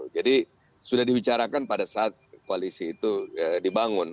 jadi sudah dibicarakan pada saat koalisi itu dibangun